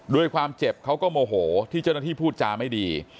ด้วยความเจ็บเขาก็โมโหที่เจ้าหน้าที่พูดจาไม่ดี